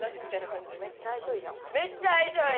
めっちゃ相性いい。